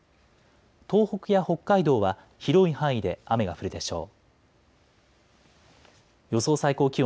東北や北海道は広い範囲で雨が降るでしょう。